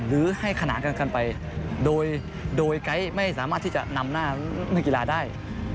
หรือให้ขนานกันไปโดยไกด์ไม่สามารถที่จะนำหน้านักกีฬาได้